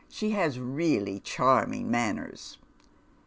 She has leally channing manners."